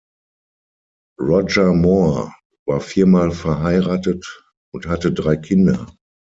Roger Moore war viermal verheiratet und hatte drei Kinder.